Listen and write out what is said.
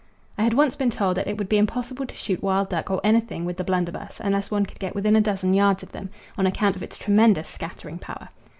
I had once been told that it would be impossible to shoot wild duck or anything with the blunderbuss unless one could get within a dozen yards of them, on account of its tremendous scattering power.